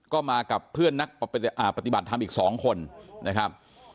ก็มากับเพื่อนนักปฏิบัติธรรมอีก๒คนนะครับ